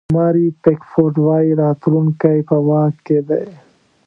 ماري پیکفورډ وایي راتلونکی په واک کې دی.